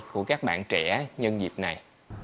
của các bạn trẻ nhân dịp này